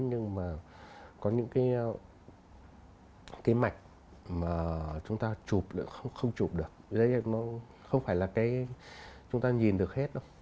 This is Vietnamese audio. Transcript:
nhưng mà có những cái mạch mà chúng ta chụp được không chụp được đấy nó không phải là cái chúng ta nhìn được hết đâu